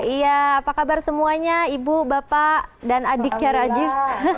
iya apa kabar semuanya ibu bapak dan adiknya rajiv